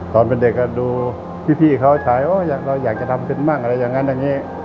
ตอนเป็นเด็กดูพี่เขาใช้ว่าเราอยากจะทำเป็นมั่งอะไรอย่างนั้นอย่างนี้